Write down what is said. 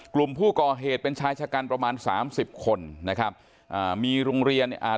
กลุ่มผู้ก่อเหตุเป็นชายชะกันประมาณสามสิบคนนะครับอ่ามีโรงเรียนอ่า